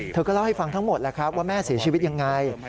เธอก็เล่าให้ฟังทั้งหมดแล้วครับว่าแม่เสียชีวิตยังไง